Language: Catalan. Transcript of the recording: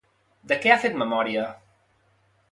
De què ha fet memòria?